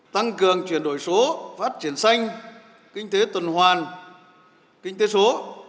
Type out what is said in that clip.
tăng cường chuyển đổi số phát triển xanh kinh tế tuần hoàn kinh tế số